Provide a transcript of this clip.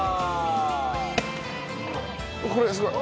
これはすごい。